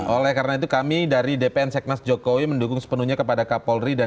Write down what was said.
oleh karena itu kami dari dpn seknas jokowi mendukung sepenuhnya kepada kapolri